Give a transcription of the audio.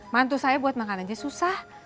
mantu saya buat makanannya susah